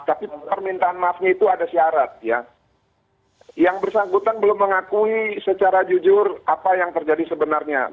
tapi permintaan maafnya itu ada syarat ya yang bersangkutan belum mengakui secara jujur apa yang terjadi sebenarnya